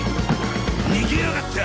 逃げやがった！